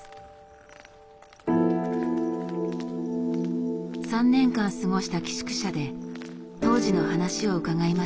３年間過ごした寄宿舎で当時の話を伺いました。